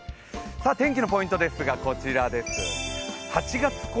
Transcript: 天気のポイントですが、こちらです。